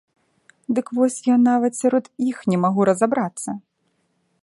Дык вось я нават сярод іх не магу разабрацца.